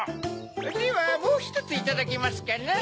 ではもうひとついただけますかな？